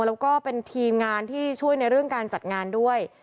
แล้วก็เป็นทีมงานที่ช่วยในเรื่องการจัดงานด้วย